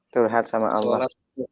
curhat sama allah